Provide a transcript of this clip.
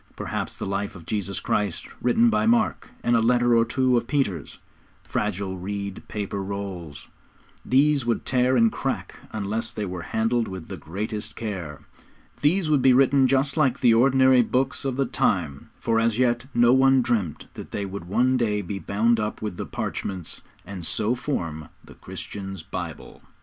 Perhaps the life of Jesus Christ, written by Mark, and a letter or two of Peter's; fragile, reed paper rolls, which would tear and crack unless they were handled with the greatest care. These would be written just like the ordinary books of the time, for as yet no one dreamt that they would one day be bound up with the 'parchments,' and so form the Christians' Bible.